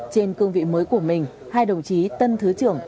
trên cương vị mới của mình hai đồng chí tân thứ trưởng